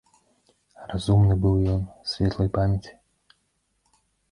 Разумны быў ён, светлай памяці.